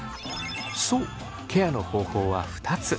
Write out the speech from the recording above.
そうケアの方法は２つ。